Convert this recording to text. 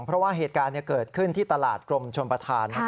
เพราะว่าเหตุการณ์เกิดขึ้นที่ตลาดกรมชนประธาน